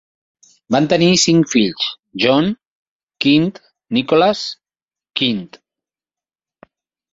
Van tenir cinc fills, John, Knt., Nicholas, Knt.